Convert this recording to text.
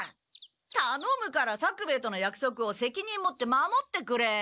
たのむから作兵衛とのやくそくを責任持って守ってくれ。